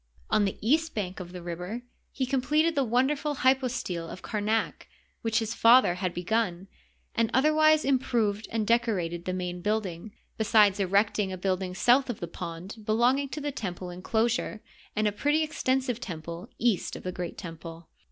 On the east bank of the river he completed the wonderful hypostile of Kamak which his father had be fun, and otherwise improved and decorated the main uilding, besides erecting a building south of the pond belonging to the temple inclosure, and a pretty extensive temple east of the great temple.